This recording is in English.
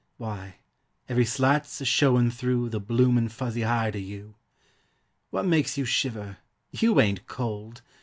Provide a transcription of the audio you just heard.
Wye, every slat's a showin' through The bloomin' fuzzy hide o' you. What makes you shiver? You ain't cold!